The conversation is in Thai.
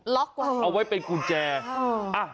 ล็อกเหรอเอาไว้เป็นกุญแจอ้าว